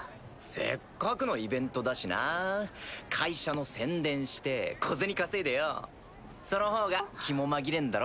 せっかくのイベントだしな会社の宣伝して小銭稼いでよぉその方が気も紛れんだろ。